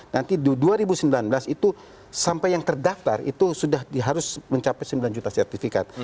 nanti dua ribu sembilan belas itu sampai yang terdaftar itu sudah harus mencapai sembilan juta sertifikat